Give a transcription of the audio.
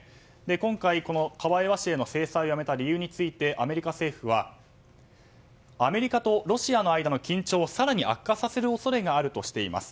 今回、カバエワ氏への制裁をやめた理由についてアメリカ政府はアメリカとロシアの間の緊張を更に悪化させる恐れがあるとしています。